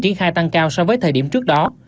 triển khai tăng cao so với thời điểm trước đó